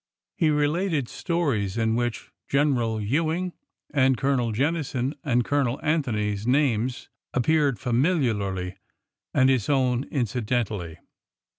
He related stories in which General Ewing and Colonel Jennison and Colonel Anthony's names ap peared familiarly— and his own incidentally.